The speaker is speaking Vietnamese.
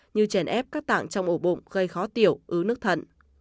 như chèn ép các tạng trong ổ bụng gây khó tiểu ứ nước thận